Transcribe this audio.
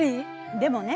でもね